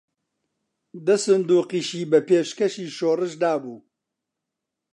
دە سندووقیشی بە پێشکەشی شۆڕش دابوو